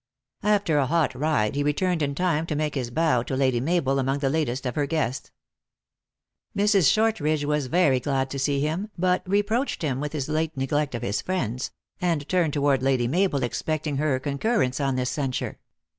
After a hot ride he re turned in time to make his bow to Lady Mabel among the latest of her guests. Mrs. Shortridge was very glad to see him, but re THE ACTEESS IN HIGH LIFE. 257 preached him with his late neglect of his friends ; and turned toward Lady Mabel, expecting her concurrence in this censure.